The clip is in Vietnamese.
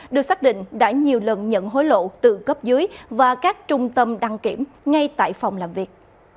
được xác định đã nhiều lần nhận hối lộ từ cấp dưới và các trung tâm đăng kiểm ngay tại phòng làm việc